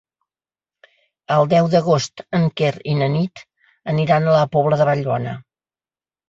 El deu d'agost en Quer i na Nit aniran a la Pobla de Vallbona.